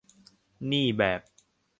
นี่แบบ